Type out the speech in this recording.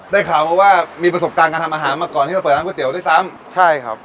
ได้ข่าวมาว่ามีประสบการณ์การทำอาหารมาก่อนที่มาเปิดร้านก๋วด้วยซ้ำใช่ครับ